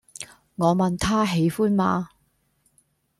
我問他喜歡嗎